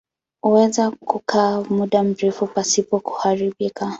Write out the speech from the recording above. Huweza kukaa muda mrefu pasipo kuharibika.